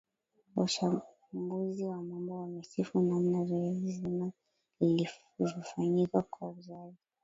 wachambuzi wa mambo wamesifu namna zoezi zima lilivyofanyika kwa uwazi